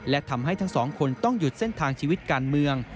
และทำให้ทั้งสองคนต้องหยุดเส้นทางชีวิตการเมือง